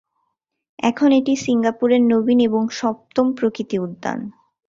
এখন এটি সিঙ্গাপুরের নবীন এবং সপ্তম প্রকৃতি উদ্যান।